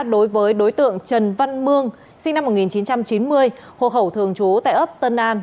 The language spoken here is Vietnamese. đối với đối tượng trần văn mương sinh năm một nghìn chín trăm chín mươi hộ khẩu thường trú tại ấp tân an